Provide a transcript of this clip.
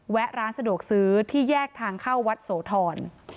ร้านสะดวกซื้อที่แยกทางเข้าวัดโสธร